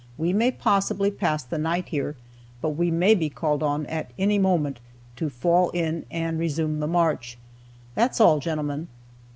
We may possibly pass the night here, but we may be called on, at any moment, to fall in and resume the march. That's all, gentlemen."